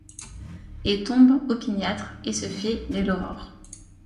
Et tombe opiniâtre, et se fait dès l’aurore